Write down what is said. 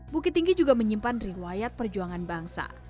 bukit tinggi juga menyimpan riwayat perjuangan bangsa